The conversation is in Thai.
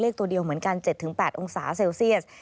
ตัวเดียวเหมือนกัน๗๘องศาเซลเซียส